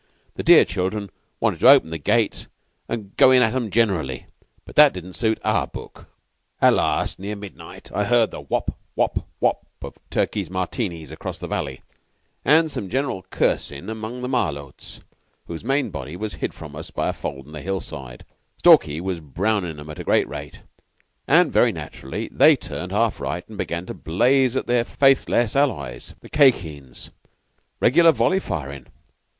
The dear children wanted to open the gate and go in at 'em generally, but that didn't suit our book. "At last, near midnight, I heard the wop, wop, wop, of Stalky's Martinis across the valley, and some general cursing among the Malôts, whose main body was hid from us by a fold in the hillside. Stalky was brownin' 'em at a great rate, and very naturally they turned half right and began to blaze at their faithless allies, the Khye Kheens regular volley firin'.